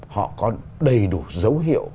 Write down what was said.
họ có đầy đủ dấu hiệu